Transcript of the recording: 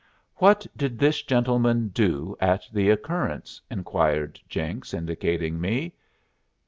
"What did this gentleman do at the occurrence?" inquired Jenks, indicating me.